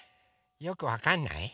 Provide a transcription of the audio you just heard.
よくわかんない？